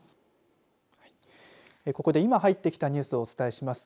ここで今入ってきたニュースをお伝えします。